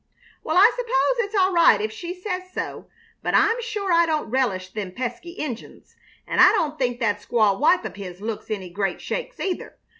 Well, I s'pose it's all right if she says so, but I'm sure I don't relish them pesky Injuns, and I don't think that squaw wife of his looks any great shakes, either.